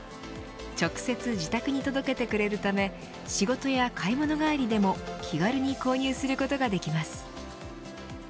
直接自宅に届けてくれるため仕事や買い物帰りでも気軽に購入することができます。